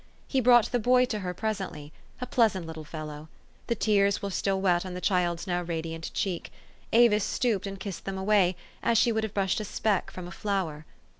He brought the boy to her presently, a pleasant little fellow. The tears were still wet on the child's now radiant cheek. Avis stooped and kissed them away, as she would have brushed a speck from a flower.